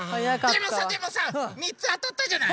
でもさでもさ３つあたったじゃない。